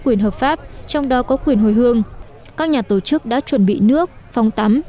quyền hợp pháp trong đó có quyền hồi hương các nhà tổ chức đã chuẩn bị nước phong tắm